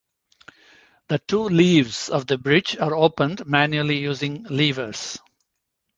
The two leaves of the bridge are opened manually using levers.